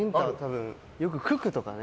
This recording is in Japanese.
よく、九九とかね。